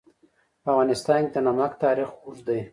په افغانستان کې د نمک تاریخ اوږد دی.